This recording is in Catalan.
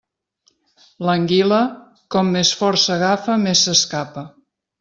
L'anguila, com més fort s'agafa més s'escapa.